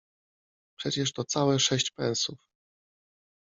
Przecież to całe sześć pensów.